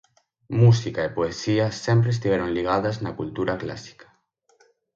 Música e poesía sempre estiveron ligadas na cultura clásica.